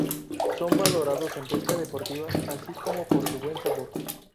Son valorados en pesca deportiva, así como por su buen sabor.